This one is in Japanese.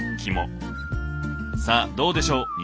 さあどうでしょう？